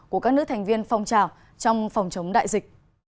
của các nước thành viên phong trào trong phòng chống đại dịch